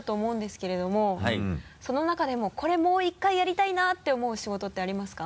その中でも「これもう１回やりたいな」って思う仕事ってありますか？